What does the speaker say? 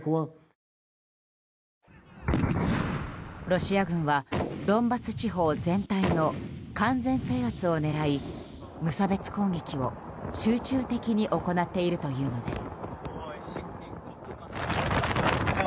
ロシア軍はドンバス地方全体の完全制圧を狙い無差別攻撃を集中的に行っているというのです。